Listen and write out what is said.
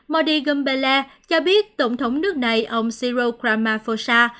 modi gumbele cho biết tổng thống nước này ông cyril ramaphosa